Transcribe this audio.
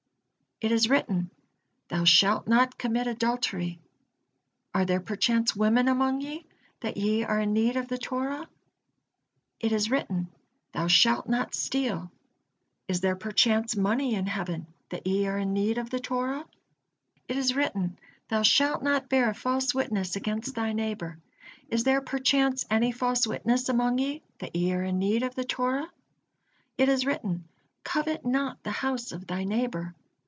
It is written: 'Thou shalt not commit adultery.' Are there perchance women among ye, that ye are in need of the Torah? It is written: 'Thou shalt not steal.' Is there perchance money in heaven, that ye are need of the Torah? It is written: 'Thou shalt not bear false witness against thy neighbor.' Is there perchance any false witness among ye, that ye are in need of the Torah? It is written: 'Covet not the house of thy neighbor.'